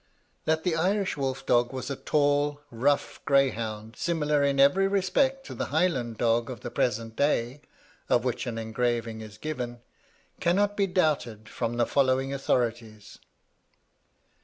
"That the Irish wolf dog was a tall, rough greyhound, similar in every respect to the Highland dog of the present day (of which an engraving is given) cannot be doubted from the following authorities.